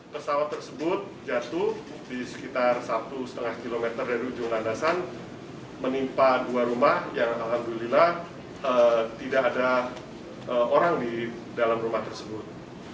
pesawat tersebut jatuh di sekitar satu lima km dari ujung landasan menimpa dua rumah yang alhamdulillah tidak ada orang di dalam rumah tersebut